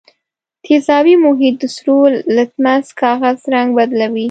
تیزابي محیط د سرو لتمس کاغذ رنګ بدلوي.